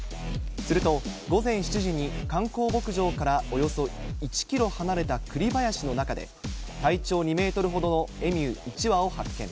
すると午前７時に観光牧場からおよそ１ｋｍ離れた栗林の中で体長２ｍほどのエミュー、１羽を発見。